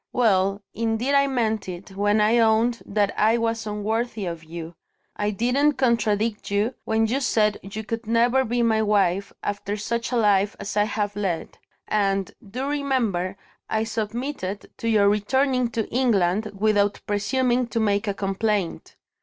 Well, indeed I meant it, when I owned that I was unworthy of you. I didn't contradict you, when you said you could never be my wife, after such a life as I have led. And, do remember, I submitted to your returning to England, without presuming to make a complaint.